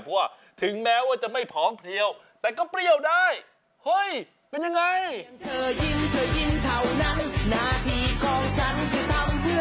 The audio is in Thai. เพราะว่าถึงแม้ว่าจะไม่ผอมเพลียวแต่ก็เปรี้ยวได้เฮ้ยเป็นยังไง